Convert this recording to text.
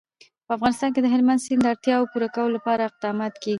په افغانستان کې د هلمند سیند د اړتیاوو پوره کولو لپاره اقدامات کېږي.